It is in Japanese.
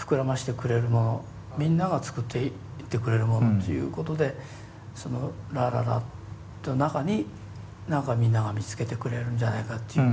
みんなが作っていってくれるものっていうことでその「ｌａｌａｌａ」の中に何かみんなが見つけてくれるんじゃないかっていう。